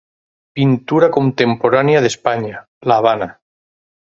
Pintura contemporània d'Espanya, l'Havana.